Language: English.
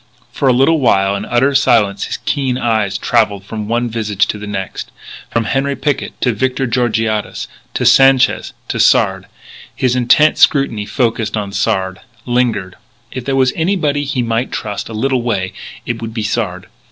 For a little while, in utter silence, his keen eyes travelled from one visage to the next, from Henri Picquet to Victor Georgiades, to Sanchez, to Sard. His intent scrutiny focussed on Sard; lingered. If there were anybody he might trust, a little way, it would be Sard.